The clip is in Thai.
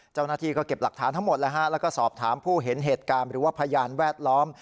เจ้าหน้าที่ก็เก็บหลักฐานทั้งหมดแล้วก็สอบถามผู้เห็นเหตุการณ์หรือว่าพยานแวดล้อม